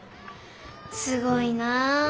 すごいな。